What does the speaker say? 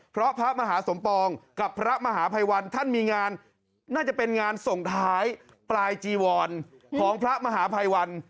เพราะพระมหาสมปองกับพระมหาภัยวันท่านมีงานน่าจะเป็นงานส่งท้ายปลายจีวรของพระมหาภัยวัน